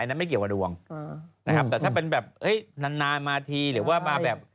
นั้นไม่เกี่ยวกับดวงนะครับแต่ถ้าเป็นแบบเอ้ยนานนานมาทีหรือว่ามาแบบ